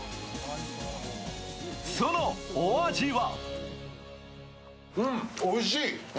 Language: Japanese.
そのお味は？